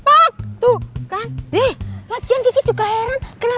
aku mau ngebukakan kamu